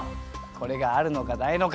これがあるのかないのか！